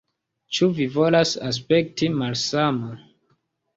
Ĉu vi volas aspekti malsama?